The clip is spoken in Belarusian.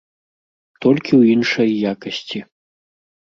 Толькі ў іншай якасці.